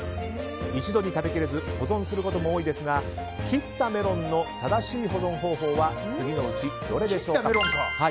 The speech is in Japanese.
一度に食べきれず保存することも多いですが切ったメロンの正しい保存方法は次のうち、どれでしょうか？